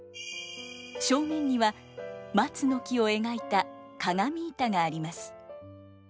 正面には松の木を描いた鏡板があります。